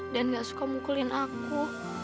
dan gak suka mukulin aku